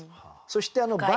そしてあの。